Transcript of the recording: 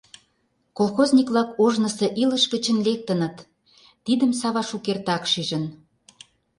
Колхозник-влак ожнысо илыш гычын лектыныт — тидым Сава шукертак шижын.